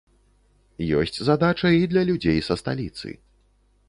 Ёсць задача і для людзей са сталіцы.